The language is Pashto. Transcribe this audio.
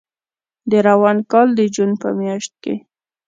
د روان کال د جون په میاشت کې